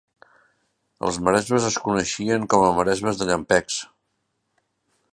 Els maresmes es coneixien com a "maresmes de llampecs".